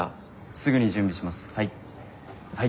すぐに準備しますはい。